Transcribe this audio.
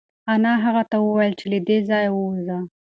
انا هغه ته وویل چې له دې ځایه ووځه.